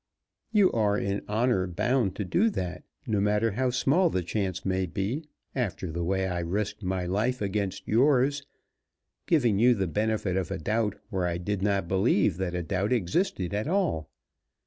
"You are in honor bound to do that, no matter how small the chance may be, after the way I risked my life against yours, giving you the benefit of a doubt where I did not believe that a doubt existed at all.